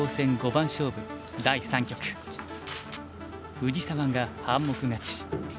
藤沢が半目勝ち。